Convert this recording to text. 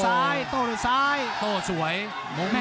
ภูตวรรณสิทธิ์บุญมีน้ำเงิน